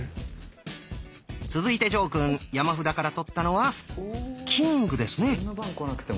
続いて呈くん山札から取ったのは「キング」ですね。